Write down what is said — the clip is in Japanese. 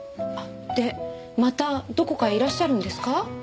あっでまたどこかへいらっしゃるんですか？